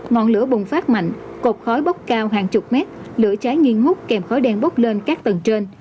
ngọn lửa bùng phát mạnh cột khói bốc cao hàng chục mét lửa trái nghiêng hút kèm khói đen bốc lên các tầng trên